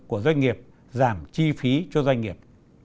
của doanh nghiệp giảm chi phí cho doanh nghiệp